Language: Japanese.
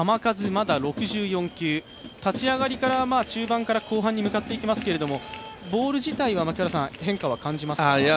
まだ６４球、立ち上がりから中盤から後半に向かっていきますけれども、ボール自体は変化は感じますか？